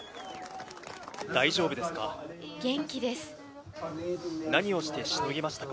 大丈夫ですか。